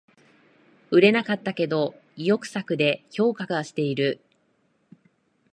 売れなかったけど意欲作で評価はしてる